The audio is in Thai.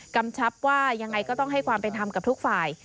กำชับว่ายังไงก็ต้องให้ความเป็นธรรมกับทุกฝ่าย